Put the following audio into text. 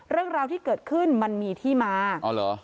เรื่องราวที่เกิดขึ้นมันมีที่มาอ๋อเหรอ